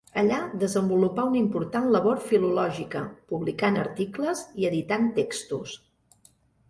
Allà desenvolupà una important labor filològica, publicant articles i editant textos.